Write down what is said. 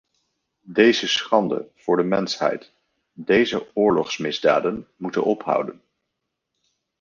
Deze schande voor de mensheid, deze oorlogsmisdaden moeten ophouden.